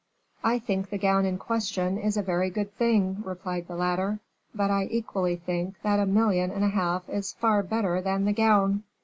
"I think the gown in question is a very good thing," replied the latter; "but I equally think that a million and a half is far better than the gown."